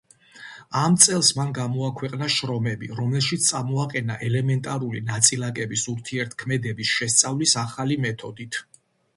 ამ წელს მან გამოაქვეყნა შრომები, რომელშიც წამოაყენა ელემენტარული ნაწილაკების ურთიერთქმედების შესწავლის ახალი მეთოდით.